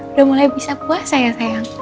udah mulai bisa puasa ya sayang